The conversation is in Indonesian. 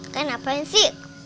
kan apain sih